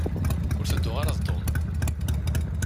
Ur tedduɣ ara d Tom.